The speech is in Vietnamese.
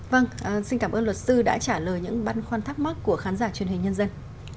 vâng xin cảm ơn luật sư đã trả lời những băn khoăn thắc mắc của khán giả truyền hình nhân dân